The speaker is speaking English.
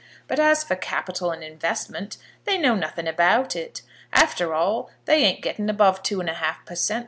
But as for capital and investment, they know nothing about it. After all, they ain't getting above two and a half per cent.